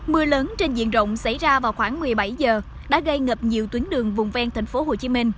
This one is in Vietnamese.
mưa lớn trên diện rộng xảy ra vào khoảng một mươi bảy giờ đã gây ngập nhiều tuyến đường vùng ven thành phố hồ chí minh